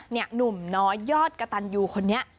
เนี่ยหนุ่มน้อยอดกะตันยูคนนี้